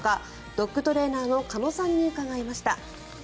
ドッグトレーナーの鹿野さんに伺いました。